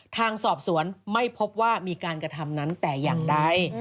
ทางสอบสวนไม่พบว่ามีการกระทำนั้นแต่อย่างใด